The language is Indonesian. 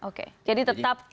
oke jadi tetap dct itu